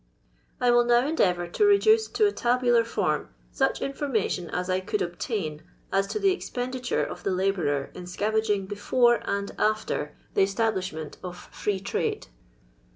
I will now endeavour to reduce to a tabular form such information as I could obtain as to the expendittire of the labourer in scavaging before and after the establishment of Free Trade.